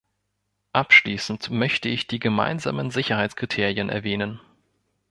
Abschließend möchte ich die gemeinsamen Sicherheitskriterien erwähnen.